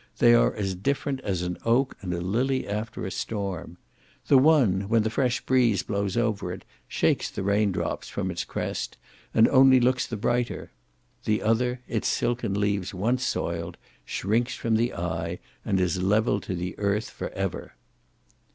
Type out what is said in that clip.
They are as different as an oak and a lily after a storm. The one, when the fresh breeze blows over it, shakes the raindrops from its crest, and only looks the brighter; the other, its silken leaves once soiled, shrinks from the eye, and is levelled to the earth for ever.